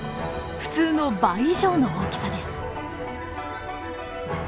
普通の倍以上の大きさです。